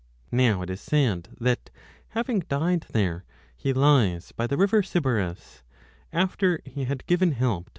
Now it is said that having died there 4 he lies by the river Sybaris, after he had given 1 sc.